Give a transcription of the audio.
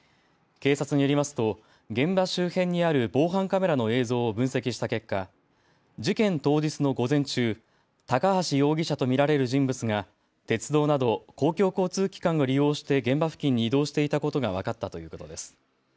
警察によりますと現場周辺にある防犯カメラの映像を分析した結果、事件当日の午前中、高橋容疑者と見られる人物が鉄道など公共交通機関を利用して現場付近に移動していたことが分かったということです。